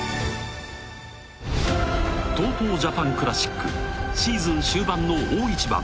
ＴＯＴＯジャパンクラシックシーズン終盤の大一番。